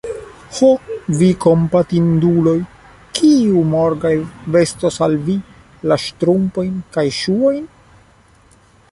Ho, vi kompatinduloj! kiu morgaŭ vestos al vi la ŝtrumpojn kaj ŝuojn?